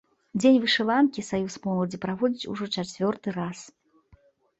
Дзень вышыванкі саюз моладзі праводзіць ужо чацвёрты раз.